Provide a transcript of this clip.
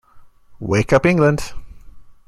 Wake up England!